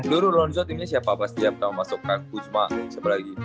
duru lonzo timnya siapa pas dia pertama masuk kaku cuma siapa lagi